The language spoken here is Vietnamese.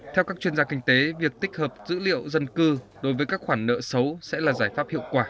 theo các chuyên gia kinh tế việc tích hợp dữ liệu dân cư đối với các khoản nợ xấu sẽ là giải pháp hiệu quả